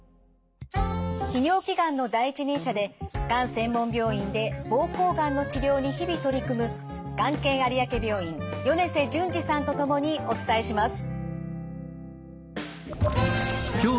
泌尿器がんの第一人者でがん専門病院で膀胱がんの治療に日々取り組むがん研有明病院米瀬淳二さんと共にお伝えします。